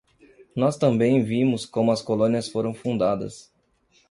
Nós também vimos como as colônias foram fundadas.